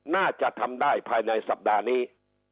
น่าจะทำได้ภายในสัปดาห์นี้